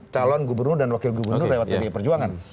calon gubernur dan wakil gubernur lewat pdi perjuangan